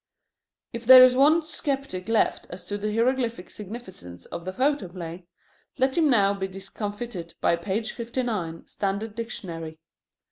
If there is one sceptic left as to the hieroglyphic significance of the photoplay, let him now be discomfited by page fifty nine, Standard Dictionary.